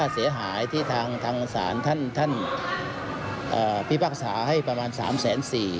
สารท่านท่านอ่าพิพักษาให้ประมาณสามแสนสี่